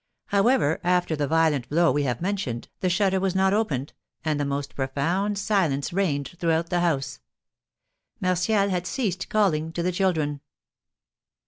However, after the violent blow we have mentioned, the shutter was not opened, and the most profound silence reigned throughout the house. Martial had ceased calling to the children.